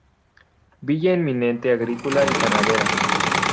Villa eminentemente agrícola y ganadera.